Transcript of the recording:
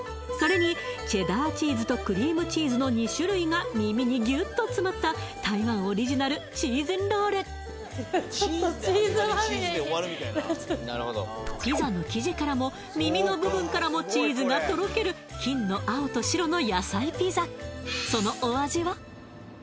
それにチェダーチーズとクリームチーズの２種類が耳にギュッと詰まった台湾オリジナルチーズンロールピザの生地からも耳の部分からもチーズがとろける金の青と白の野菜ピザそのお味は？